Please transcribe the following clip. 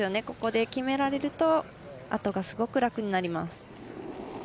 ここで決められるとあとがすごく楽になります。